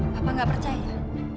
papa gak percaya